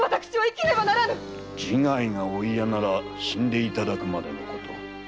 自害がお嫌なら死んでいただくまでのこと。